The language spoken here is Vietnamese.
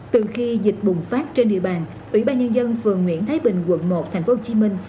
từ khi dịch bùng phát trên địa bàn ủy ban nhân dân phường nguyễn thái bình quận một thành phố hồ chí minh